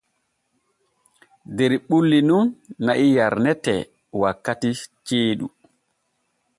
Der ɓulli nun na'i yarnete wankati ceeɗu.